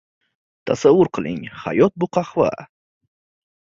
Tasavvur qiling, hayot bu – qahva;